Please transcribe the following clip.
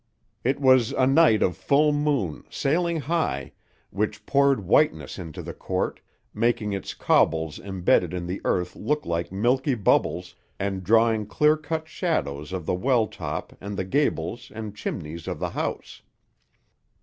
It was a night of full moon, sailing high, which poured whiteness into the court, making its cobbles embedded in the earth look like milky bubbles and drawing clear cut shadows of the well top and the gables and chimneys of the house.